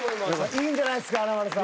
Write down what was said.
いいんじゃないすか華丸さん。